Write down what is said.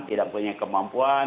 tidak punya kemampuan